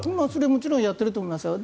もちろんやっていると思います。